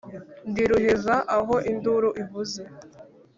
Ndi ruheza aho induru ivuze,